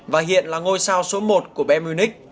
và hiện là ngôi sao số một của bmw